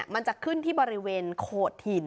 มันจะขึ้นที่บริเวณโขดหิน